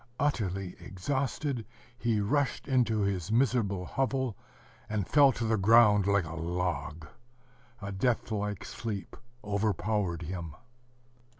Utterly exhausted, he rushed into his miserable hovel, and fell to the ground like a log. A death like sleep overpowered him.